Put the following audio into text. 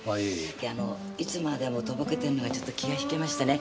いやあのいつまでもとぼけてるのはちょっと気が引けましてね。